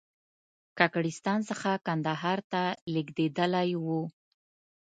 کاکړستان څخه کندهار ته لېږدېدلی و.